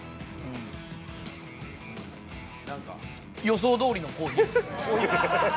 予想どおりのコーヒーです。